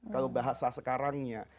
kalau bahasa sekarangnya